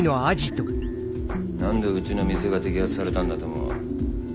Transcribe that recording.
何でうちの店が摘発されたんだと思う？